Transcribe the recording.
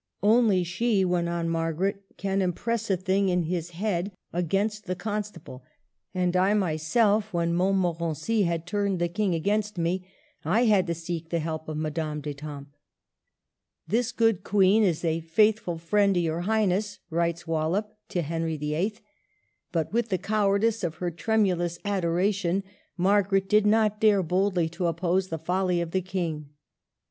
Only she," went on Margaret, '* can impress a thing in his head against the A FALSE STEP. 179 Constable; and I myself, when Montmorency had turned the King against me, — I had to seek the help of Madame d'Etampes." " This good Ouene is a faythfuU frende to your Highness," writes Wallup to Henry VHI. But with the cowardice of her tremulous adora tion, Margaret did not dare boldly to oppose the folly of the King.